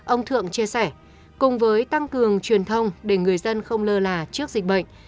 ông thượng chia sẻ cùng với tăng cường truyền thông để người dân không lơ là trước dịch bệnh